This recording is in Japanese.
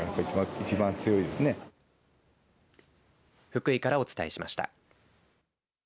福井からお伝えしました。